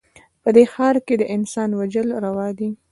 په دې ښـار کښې د انسان وژل روا دي